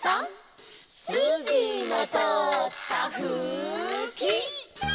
「すじのとおったふき」